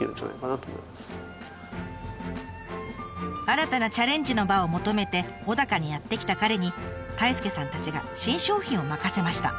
新たなチャレンジの場を求めて小高にやって来た彼に太亮さんたちが新商品を任せました。